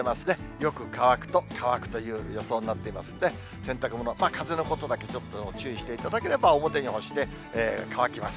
よく乾くと乾くという予想になっていますので、洗濯物、風のことだけちょっと注意していただければ表に干して、乾きます。